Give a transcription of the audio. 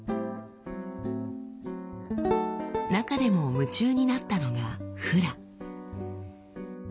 中でも夢中になったのが「フラ」。